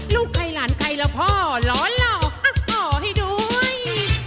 ลูกใครหลานใครแล้วพ่อหล่อหล่ออ่ะพ่อให้ด้วย